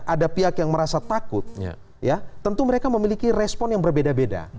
ada pihak yang merasa takut ya tentu mereka memiliki respon yang berbeda beda